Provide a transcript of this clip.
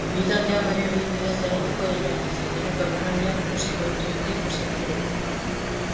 Bi taldeak bere ibildeaz arituko dira eta zuzeneko emanaldian ikusiko dituzte ikus-entzuleek.